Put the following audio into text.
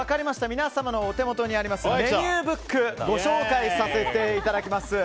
皆様のお手元にあるメニューブックご紹介させていただきます。